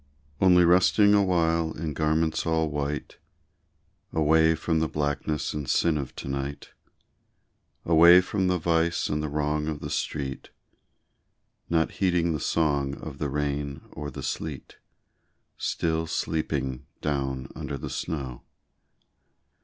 Only resting awhile in garments all white, Away from the blackness and sin of to night; Away from the vice and the wrong of the street, Not heeding the song of the rain or the sleet, Still sleeping down under the snow.